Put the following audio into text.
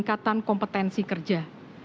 dan penuntasan kompetensi kerja